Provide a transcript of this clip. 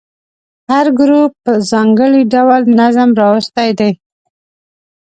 هر ګروپ په ځانګړي ډول نظم راوستی دی.